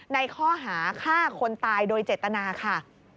ในข้อหาฆ่าคนตายโดยเจตนาค่ะ